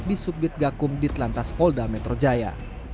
di subbit gakum ditlantas polda metro jaya